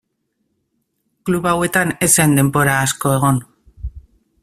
Klub hauetan ez zen denbora asko egon.